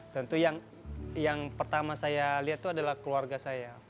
tentu yang pertama saya lihat itu adalah keluarga saya